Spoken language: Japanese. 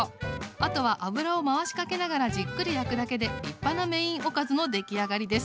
あとは油を回しかけながらじっくり焼くだけで立派なメインおかずの出来上がりです。